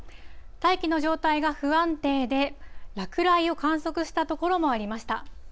大気の状態が不安定で、落雷を観測した所もありました。